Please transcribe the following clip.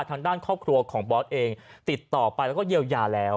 ทางด้านครอบครัวของบอสเองติดต่อไปแล้วก็เยียวยาแล้ว